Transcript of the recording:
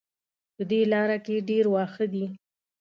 په دې لاره کې ډېر واښه دي